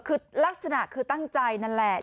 คือลักษณะคือตั้งใจนั่นแหละ